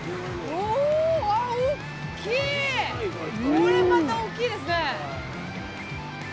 これまた大きいですね！